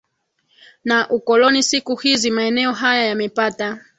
na ukoloni Siku hizi maeneo haya yamepata